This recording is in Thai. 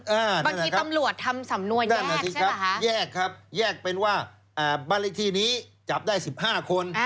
บางทีตำรวจทำสำนวนแยกใช่ป่ะฮะแยกครับแยกเป็นว่าบ้านละที่นี้จับได้๑๕คน